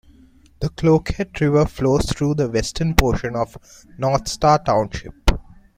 The Cloquet River flows through the western portion of North Star Township.